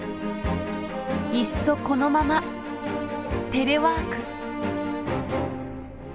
いっそこのままテレワーク。